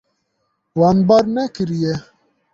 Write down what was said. Wan bar nekiriye.